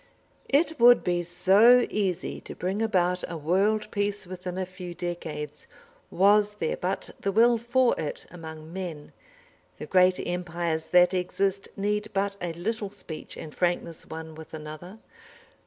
It would be so easy to bring about a world peace within a few decades, was there but the will for it among men! The great empires that exist need but a little speech and frankness one with another.